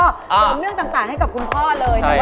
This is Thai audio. เสริมเรื่องต่างให้กับคุณพ่อเลยนะคะ